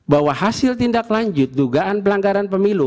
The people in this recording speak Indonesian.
lima bahwa hasil tindaklanjut dugaan pelanggaran pemilu